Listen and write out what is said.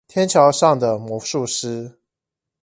天橋上的魔術師